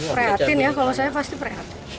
preatin ya kalau saya pasti preatin